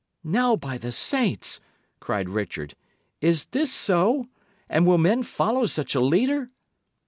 "Now, by the saints!" cried Richard, "is this so? And will men follow such a leader?"